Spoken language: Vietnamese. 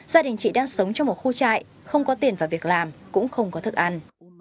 gia đình chị đang sống trong một khu trại không có tiền và việc làm cũng không có thức ăn